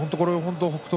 北勝